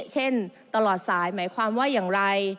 เช่นตลอดสายหมายความว่าอย่างไร